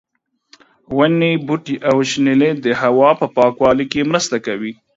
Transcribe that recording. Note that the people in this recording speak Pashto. ونې، بوټي او شنېلی د هوا په پاکوالي کې مرسته کوي.